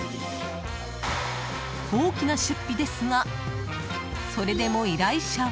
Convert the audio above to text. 大きな出費ですがそれでも、依頼者は。